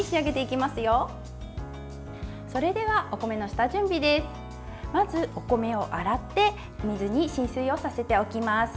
まず、お米を洗って水に浸水をさせておきます。